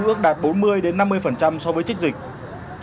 ước đạt bốn mươi năm mươi so với trích dịch